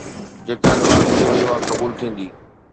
جيڪا دعا گهري وئي اها قبول ٿيندي.